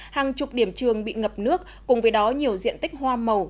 hàng chục điểm trường bị ngập nước cùng với đó nhiều diện tích hoa màu